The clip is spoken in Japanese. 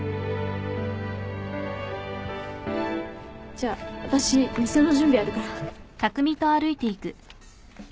じゃあ私店の準備あるから。